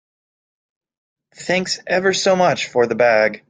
Thanks ever so much for the bag.